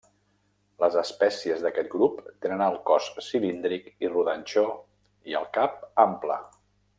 Les espècies d'aquest grup tenen el cos cilíndric i rodanxó i el cap ample.